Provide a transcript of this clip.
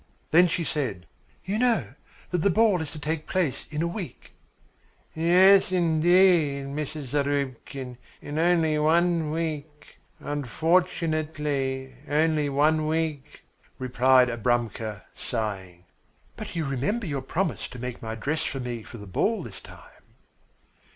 Then she said: "You know that the ball is to take place in a week." "Yes, indeed, Mrs. Zarubkin, in only one week; unfortunately, only one week," replied Abramka, sighing. "But you remember your promise to make my dress for me for the ball this time?"